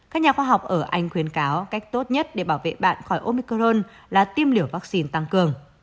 các nhà khoa học ở anh khuyến cáo cách tốt nhất để bảo vệ bạn khỏi omicron là tiêm liều vaccine tăng cường